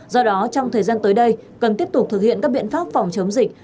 do đó trong thời gian tới đây cần tiếp tục thực hiện các biện pháp phòng chống dịch